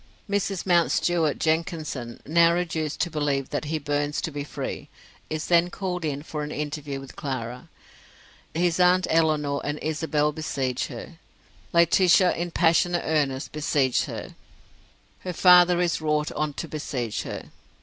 Mrs. Mountstuart Jenkinson, now reduced to believe that he burns to be free, is then called in for an interview with Clara. His aunts Eleanor and Isabel besiege her. Laetitia in passionate earnest besieges her. Her father is wrought on to besiege her.